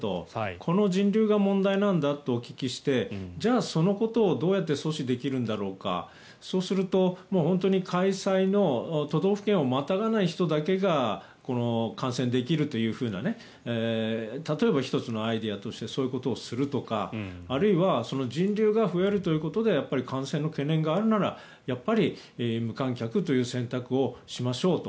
この人流が問題なんだとお聞きして、じゃあそのことをどうやって阻止できるんだろうかそうすると、本当に開催の都道府県をまたがない人だけがこの観戦できるというふうな例えば、１つのアイデアとしてそういうことをするとかあるいは人流が増えるということで感染の懸念があるならやっぱり無観客という選択をしましょうと。